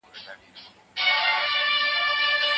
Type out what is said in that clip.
دروغ د خلګو د غولولو لپاره ویل کیږي.